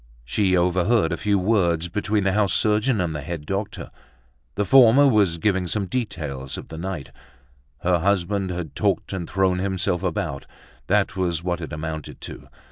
She overheard a few words between the house surgeon and the head doctor. The former was giving some details of the night: her husband had talked and thrown himself about, that was what it amounted to.